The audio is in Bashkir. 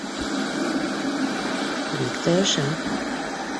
Бик тырыша.